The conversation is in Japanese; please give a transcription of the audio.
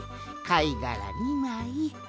かいがら２まい。